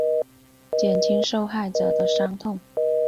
减轻受害者的伤痛